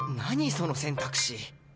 その選択肢。